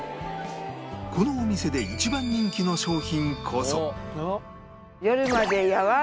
このお店で一番人気の商品こそ